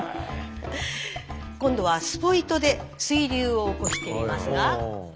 今度はスポイトで水流を起こしてみますが。